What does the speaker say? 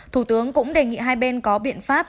thủ tướng cũng đề nghị hai bên có biện pháp